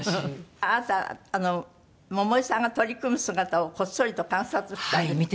あなた桃井さんが取り組む姿をこっそりと観察したんですって？